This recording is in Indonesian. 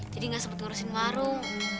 jadi gak sempet ngurusin warung